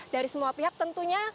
dari semua pihak tentunya